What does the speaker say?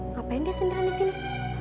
ngapain dia sentram di sini